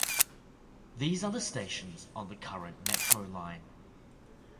These are the stations on the current metro line.